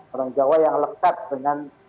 orang jawa yang lekat dengan